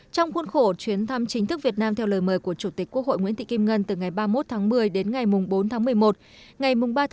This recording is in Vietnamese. trong khuôn khổ chuyến thăm chính thức việt nam theo lời mời của chủ tịch quốc hội nguyễn tị kim ngân từ ngày ba mươi một tháng một mươi đến ngày bốn tháng một mươi một